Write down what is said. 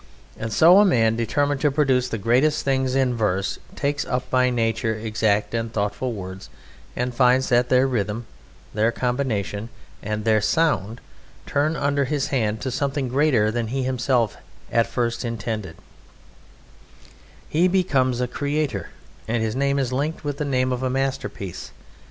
And so a man determined to produce the greatest things in verse takes up by nature exact and thoughtful words and finds that their rhythm, their combination, and their sound turn under his hand to something greater than he himself at first intended; he becomes a creator, and his name is linked with the name of a masterpiece.